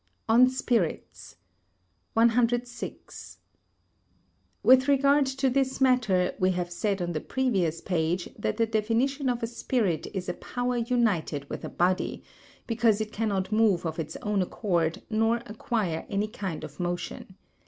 [Sidenote: On Spirits] 106. With regard to this matter, we have said on the previous page that the definition of a spirit is a power united with a body, because it cannot move of its own accord nor acquire any kind of motion.